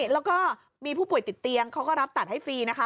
แล้วก็มีผู้ป่วยติดเตียงเขาก็รับตัดให้ฟรีนะคะ